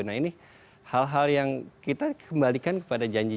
nah ini hal hal yang kita kembalikan kepada janji